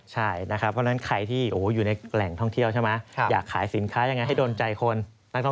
ใช่นะครับเพราะฉะนั้นใครที่อยู่ในแหล่งท่องเที่ยวใช่ไหม